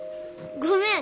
ごめん。